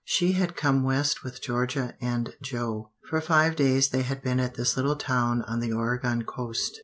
She had come West with Georgia and Joe. For five days they had been at this little town on the Oregon coast.